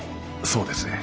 そうですね。